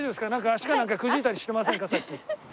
足かなんかくじいたりしてませんかさっき。